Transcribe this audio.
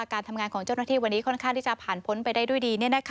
การทำงานของเจ้าหน้าที่วันนี้ค่อนข้างที่จะผ่านพ้นไปได้ด้วยดี